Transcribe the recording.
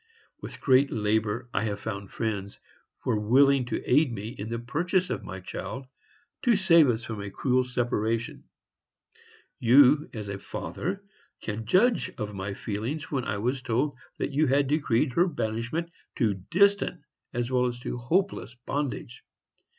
With great labor, I have found friends who are willing to aid me in the purchase of my child, to save us from a cruel separation. You, as a father, can judge of my feelings when I was told that you had decreed her banishment to distant as well as to hopeless bondage!